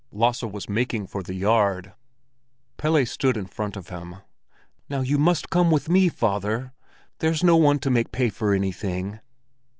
Lasse was making for the yard. Pelle stood in front of him. "Now you must come with me, father! There's no one to make pay for anything."